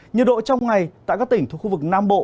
nhiệt độ trong ngày tại các tỉnh thuộc khu vực nam bộ